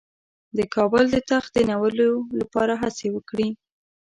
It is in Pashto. د کابل د تخت د نیولو لپاره هڅه وکړي.